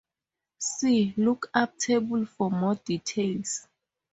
See lookup table for more details.